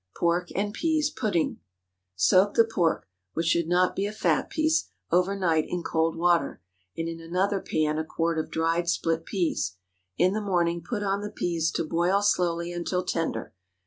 PORK AND PEAS PUDDING. Soak the pork, which should not be a fat piece, over night in cold water; and in another pan a quart of dried split peas. In the morning put on the peas to boil slowly until tender.